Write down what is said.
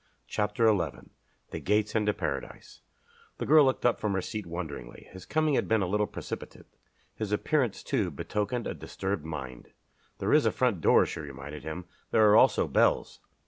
CHAPTER XI THE GATE INTO PARADISE The girl looked up from her seat wonderingly. His coming had been a little precipitate. His appearance, too, betokened a disturbed mind. "There is a front door," she reminded him. "There are also bells."